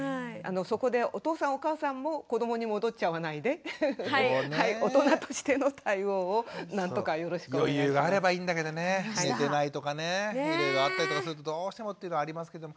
そこでお父さんお母さんも子どもに戻っちゃわないで余裕があればいいんだけどね寝てないとかねいろいろあったりとかするとどうしてもっていうのありますけども。